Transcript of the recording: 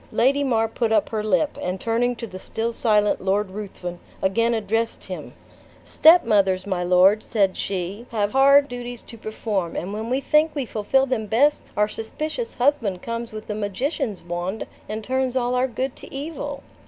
Lady mar put up her lip, and turning to the still silent Lord Ruthven, again addressed him. "Stepmothers, my lord," said she, "have hard duties to perform; and when we think we fulfill them best, our suspicious husband comes with a magician's wand, and turns all our good to evil."